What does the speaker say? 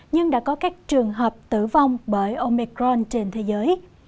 nhưng đã có các trường hợp tử vong bởi omicron trên thế giới